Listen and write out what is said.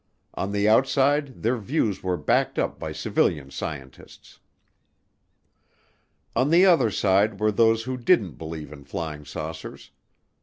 On the outside their views were backed up by civilian scientists. On the other side were those who didn't believe in flying saucers.